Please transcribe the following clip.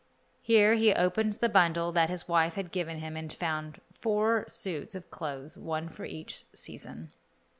Here he opened the bundle that his wife had given him and found four suits of clothes, one for each season.